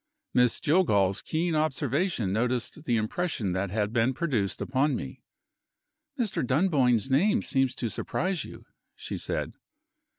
Miss Jillgall's keen observation noticed the impression that had been produced upon me. "Mr. Dunboyne's name seems to surprise you." she said.